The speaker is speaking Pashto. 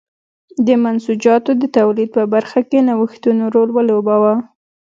د منسوجاتو د تولید په برخه کې نوښتونو رول ولوباوه.